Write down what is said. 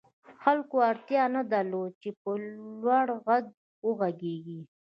خلکو اړتیا نه درلوده چې په لوړ غږ وغږېږي